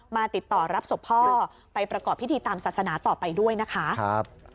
ติดต่อรับศพพ่อไปประกอบพิธีตามศาสนาต่อไปด้วยนะคะ